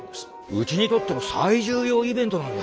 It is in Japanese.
うちにとっても最重要イベントなんだ。